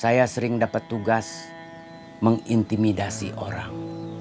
saya sering dapat tugas mengintimidasi orang